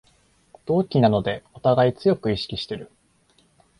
同期なのでおたがい強く意識してる